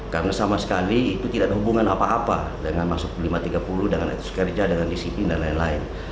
karena sama sekali itu tidak ada hubungan apa apa dengan masuk lima tiga puluh dengan etos kerja dengan disiplin dan lain lain